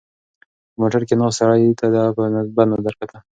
په موټر کې ناست سړي ده ته په بد نظر کتل.